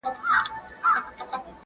قصور دې ته راجع دی.